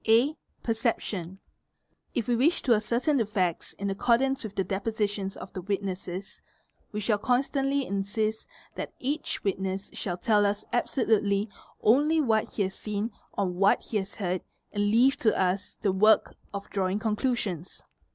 (a) PerceptionS'—®), If we wish to ascertain the facts in accordance with the depositions of the witnesses we shall constantly insist that each witness shall tell us absolutely only what he has seen or what he has heard, and leave to us — the work of drawing conclusions.